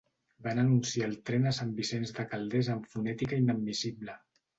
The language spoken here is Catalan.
Van anunciar el tren a Sant Vicenç de Calders amb fonètica inadmissible.